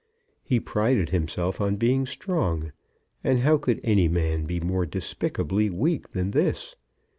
He prided himself on being strong, and how could any man be more despicably weak than this?